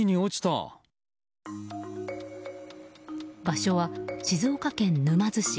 場所は静岡県沼津市。